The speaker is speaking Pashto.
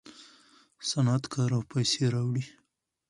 صنعت کار او پیسې راوړي.